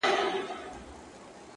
پر کومي لوري حرکت وو حوا څه ډول وه؛